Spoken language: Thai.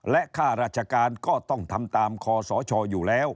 และค่าราชการก็ต้องทำตามคอสชอยู่แล้ว